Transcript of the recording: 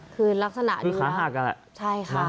คือลักษณะดีมากคือขาหากอะแหละใช่ค่ะ